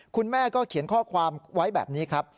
คุณแม่ก็เขียนข้อความไว้แบบนี้ครับ